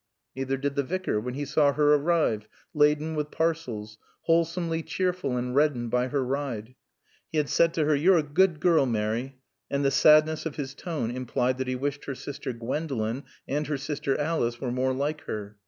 Neither did the Vicar, when he saw her arrive, laden with parcels, wholesomely cheerful and reddened by her ride. He had said to her "You're a good girl, Mary," and the sadness of his tone implied that he wished her sister Gwendolen and her sister Alice were more like her.